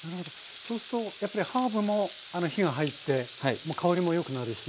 そうするとやっぱりハーブも火が入って香りもよくなるし。